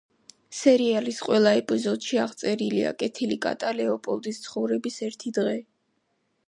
სერიალის ყველა ეპიზოდში აღწერილია კეთილი კატა ლეოპოლდის ცხოვრების ერთი დღე.